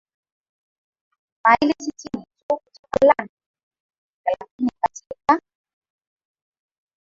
maili sitini tu kutoka London Lakini katika